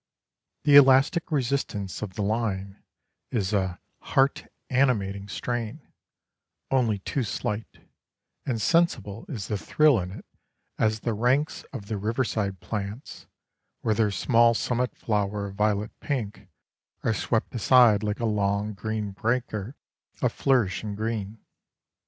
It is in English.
The elastic resistance of the line is a "heart animating strain," only too slight; and sensible is the thrill in it as the ranks of the riverside plants, with their small summit flower of violet pink, are swept aside like a long green breaker of flourishing green.